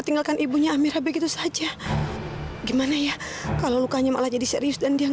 tinggalkan ibunya amira begitu saja gimana ya kalau lukanya malah jadi serius dan dia